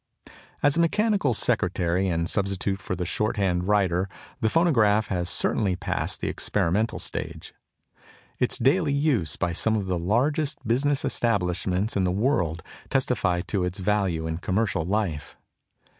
As a mechanical secretary and substitute for the shorthand writer the phonograph has certainly passed the experimental stage. Its daily use by some of the largest business establishments in the world testify to its value in commercial life.